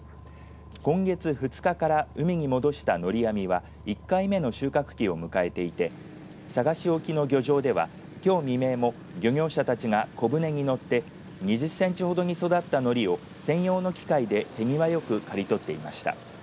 今月２日から海に戻したのり網は１回目の収穫期を迎えていて佐賀市沖の漁場ではきょう未明も漁業者たちが小舟に乗って２０センチほどで育ったのりを専用の機械で手際よく刈り取っていました。